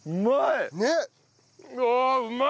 うまい！